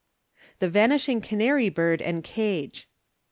The Vanishing Canary Bird and Cage.